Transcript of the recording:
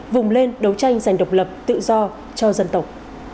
vùng lên đấu tranh giành độc lập tự do cho dân tộc